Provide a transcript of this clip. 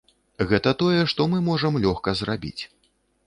Гэта тое, што мы можам лёгка зрабіць.